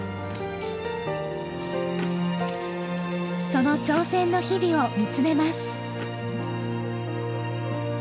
その挑戦の日々を見つめます。